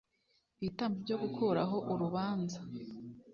Ibitambo byo gukuraho urubanza